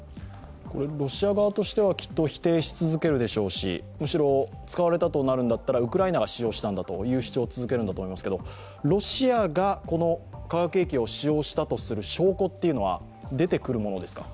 ロシア側としてはきっと否定し続けるでしょうしむしろ使われたとなるなら、ウクライナが使用したという主張をすると思いますがロシアがこの化学兵器を使用したとする証拠というのは出てくるものですか？